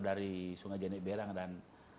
dari sungai janik belang dan